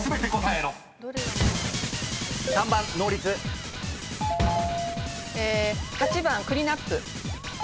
え８番クリナップ。